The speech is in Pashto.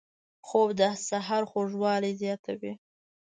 خوب د سحر خوږوالی زیاتوي